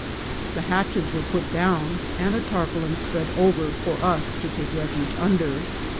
The hatches were put down, and a tarpaulin spread over for us to take refuge under.